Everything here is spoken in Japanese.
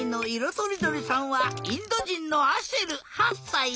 とりどりさんはインドじんのアシェル８さい。